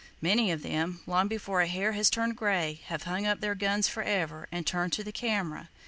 Many of them, long before a hair has turned gray, have hung up their guns forever, and turned to the camera.